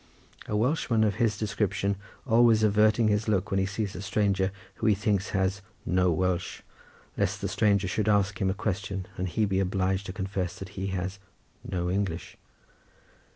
A Welshman of his description always averts his look when he sees a stranger who he thinks has "no Welsh," lest the stranger should ask him a question and he be obliged to confess that he has "no English."